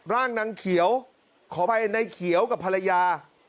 ร่างนางเขียวขออภัยนายเขียวกับภรรยา